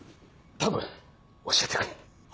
頼む教えてくれ。